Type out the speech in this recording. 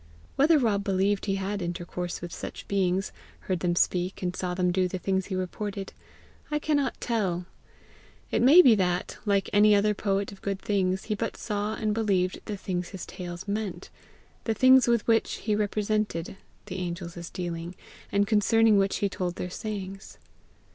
Whether Rob believed he had intercourse with such beings, heard them speak, and saw them, do the things he reported, I cannot tell: it may be that, like any other poet of good things, he but saw and believed the things his tales meant, the things with which he represented the angels as dealing, and concerning which he told their sayings.